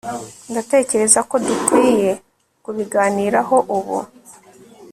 ndatekereza ko dukwiye kubiganiraho ubu